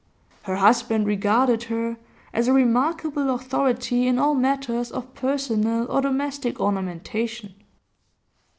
Her husband regarded her as a remarkable authority in all matters of personal or domestic ornamentation.